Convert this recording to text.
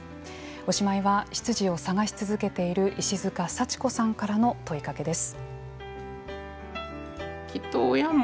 おしまいは出自を探し続けている石塚幸子さんからの問いかけです。